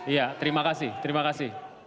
iya terima kasih terima kasih